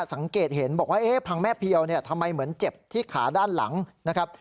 สังเกตเห็นบอกว่าเอ๊ะพังแม่เพียวเนี่ยทำไมเหมือนเจ็บที่ขาด้านหลังนะครับ